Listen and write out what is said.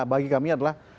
bagi kami adalah